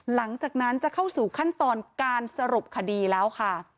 หลังจากนั้นจะเข้าสู่ขั้นตอนการสรุปคดีแล้วค่ะ